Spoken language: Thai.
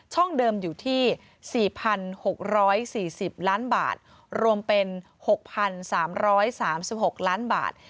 เดิมอยู่ที่๔๖๔๐ล้านบาทรวมเป็น๖๓๓๖ล้านบาท